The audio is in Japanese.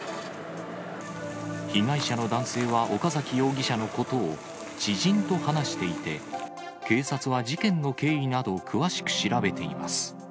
被害者の男性は岡崎容疑者のことを知人と話していて、警察は事件の経緯など、詳しく調べています。